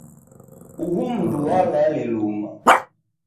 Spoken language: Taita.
Uhu mndu walwale luma